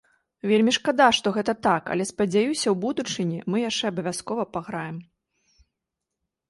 Вельмі шкада, што гэта так, але, спадзяюся, у будучыні мы яшчэ абавязкова паграем.